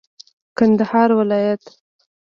کندهار ولايت